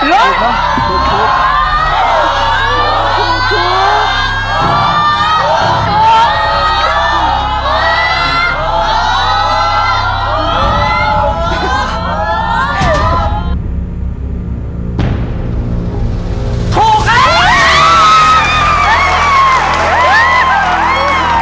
โอ้ยร้องให้กันเลย